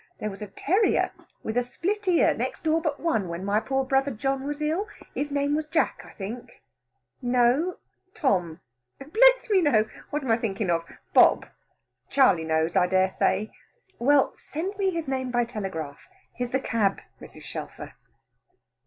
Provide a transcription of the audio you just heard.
There was a terrier with a split ear, next door but one, when my poor brother John was ill; his name was Jack, I think, no, Tom; bless me, no, what am I thinking of, Bob Charley knows, I dare say " "Well, send me his name by telegraph. Here's the cab, Mrs. Shelfer."